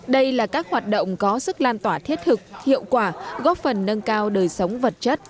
đây là các hoạt động có sức lan tỏa thiết thực hiệu quả góp phần nâng cao đời sống vật chất